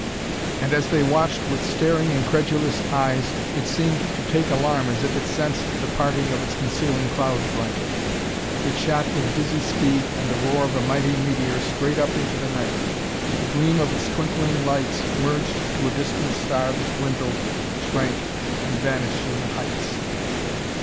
And as they watched with staring, incredulous eyes, it seemed to take alarm as if it sensed the parting of its concealing cloud blanket. It shot with dizzy speed and the roar of a mighty meteor straight up into the night. The gleam of its twinkling lights merged to a distant star that dwindled, shrank and vanished in the heights.